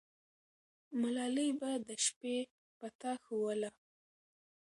ملالۍ به د شپې پته ښووله.